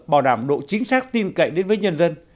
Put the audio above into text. bảo đảm độ chính xác tin cậy đến với nhân dân